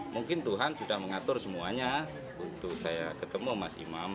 mungkin tuhan sudah mengatur semuanya untuk saya ketemu mas imam